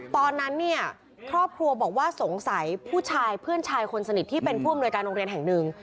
ตอนนั้นเนี่ยครอบครัวบอกว่าสงสัยผู้ชายเพื่อนชายคนสนิทที่เป็นผู้อำนวยการโรงเรียนแห่งหนึ่ง